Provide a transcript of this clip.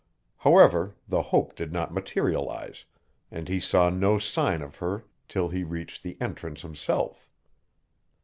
However, the hope did not materialize, and he saw no sign of her till he reached the entrance himself.